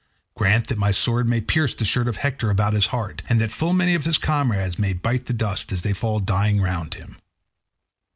Grant that my sword may pierce the shirt of Hector about his heart, and that full many of his comrades may bite the dust as they fall dying round him."